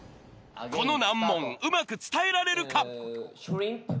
この難問うまく伝えられるか？